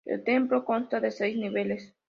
El templo consta de seis niveles.